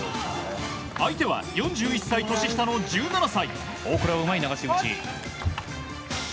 相手は、４１歳年下の１７歳。